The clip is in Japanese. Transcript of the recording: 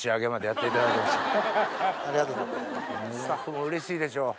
スタッフもうれしいでしょう。